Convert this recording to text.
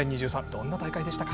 どんな大会でしたか？